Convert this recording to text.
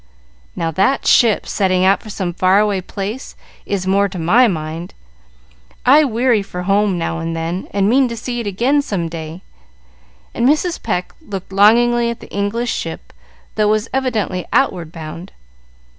"Now, that ship, setting out for some far away place, is more to my mind. I weary for home now and then, and mean to see it again some day;" and Mrs. Pecq looked longingly at the English ship, though it was evidently outward bound.